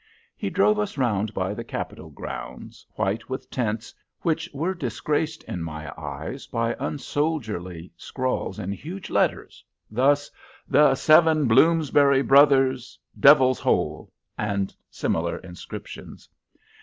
He drove us round by the Capitol grounds, white with tents, which were disgraced in my eyes by unsoldierly scrawls in huge letters, thus: THE SEVEN BLOOMSBURY BROTHERS, DEVIL'S HOLE, and similar inscriptions.